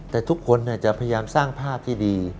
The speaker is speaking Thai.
แต่ทุกคนจะพยายามสร้างภาพที่ดี